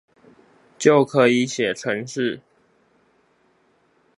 就可以寫程式